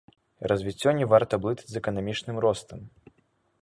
Развіццё не варта блытаць з эканамічным ростам.